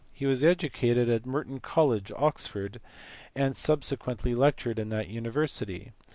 He was educated at Merton College, Oxford, and subsequently lectured in that university.